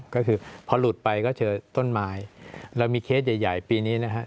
ก็คือพอหลุดไปก็เจอต้นไม้เรามีเคสใหญ่ปีนี้นะฮะ